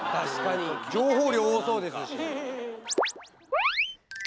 情報量多そうですし。